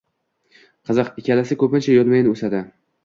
Qiziq, ikkalasi ko’pincha yonma-yon o’sadi.